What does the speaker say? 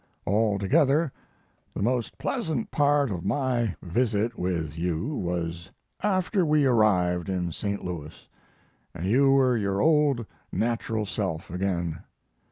Altogether, the most pleasant part of my visit with you was after we arrived in St. Louis, and you were your old natural self again.